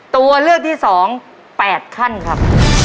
ตัวเลือกที่๒๘ขั้นครับ